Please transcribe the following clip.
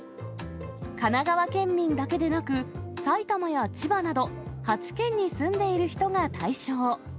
神奈川県民だけでなく、埼玉や千葉など、８県に住んでいる人が対象。